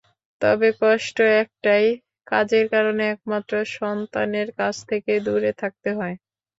তবে কষ্ট একটাই, কাজের কারণে একমাত্র সন্তানের কাছ থেকে দূরে থাকতে হয়।